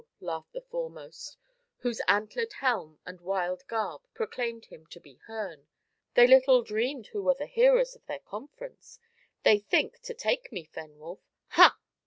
laughed the foremost, whose antlered helm and wild garb proclaimed him to be Herne; "they little dreamed who were the hearers of their conference. So they think to take me, Fenwolf ha!"